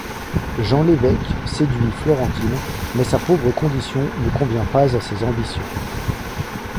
Jean Lévesque séduit Florentine, mais sa pauvre condition ne convient pas à ses ambitions.